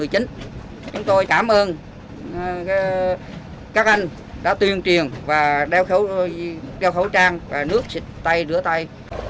chúng tôi cảm ơn các anh đã tuyên truyền và đeo khẩu trang và nước rửa tay